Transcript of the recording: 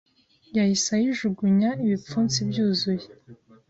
Yahise ayijugunya ibipfunsi byuzuye